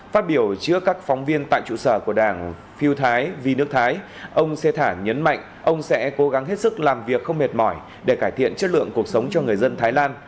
phát biểu trước các phóng viên tại trụ sở của đảng phiêu thái vì nước thái ông xe thả nhấn mạnh ông sẽ cố gắng hết sức làm việc không mệt mỏi để cải thiện chất lượng cuộc sống cho người dân thái lan